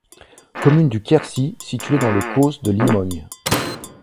Commune du Quercy située dans le causse de Limogne.